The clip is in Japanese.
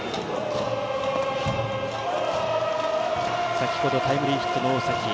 先ほどタイムリーヒットの大崎。